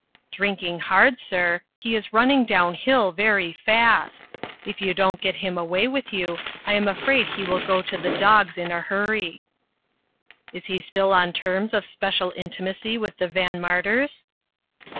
" Drinking hard, sir ; he is running down hill very fast. If you don't get him away with you, I am afraid he will go to the dogs in a hurry "" Is he still on terms of special intimacy with the VanMarters?"